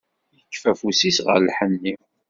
Yefka afus-is ɣer lḥenni.